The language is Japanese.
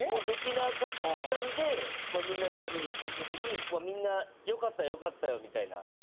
できなかったんでみんなで飲みに行ってる時にみんな「よかったよよかったよ」みたいな。